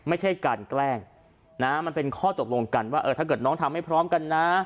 ไม่ใช่การแกล้งนะมันเป็นข้อตกลงกันว่าเออถ้าเกิดน้องทำไม่พร้อมกันนะ